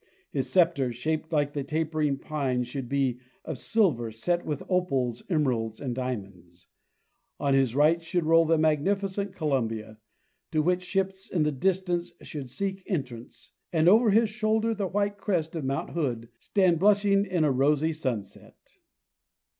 His sceptre, shaped like the taper ing pine, should be of silver, set with opals, emeralds and diamonds. On his right should roll the magnificent Columbia, to which ships in the distance should seek entrance, and over his shoulder the white crest of mount Hood stand blushing in a rosy sunset."